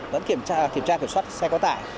vẫn kiểm tra kiểm soát xe quá tải